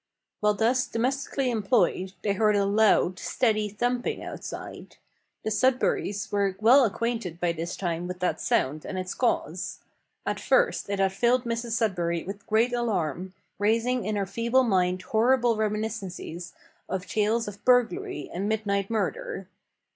While thus domestically employed, they heard a loud, steady thumping outside. The Sudberrys were well acquainted by this time with that sound and its cause. At first it had filled Mrs Sudberry with great alarm, raising in her feeble mind horrible reminiscences of tales of burglary and midnight murder.